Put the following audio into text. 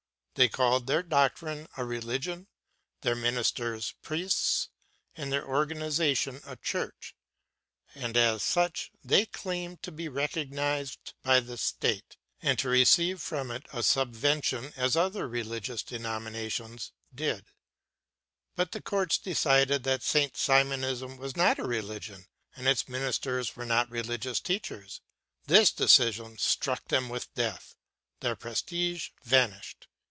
They called their doctrine a religion, their ministers priests, and their organization a church; and as such they claimed to be recognized by the State, and to receive from it a subvention as other religious denominations [did]. But the courts decided that Saint Simonism was not a religion and its ministers were not religious teachers. This decision struck them with death. Their prestige vanished.